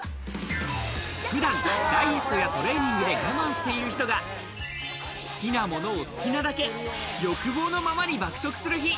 普段、ダイエットやトレーニングで我慢している人が好きなものを好きなだけ欲望のままに爆食する日。